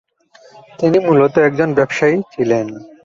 তিনি মূলত একজন ব্যবসায়ী ছিলেন।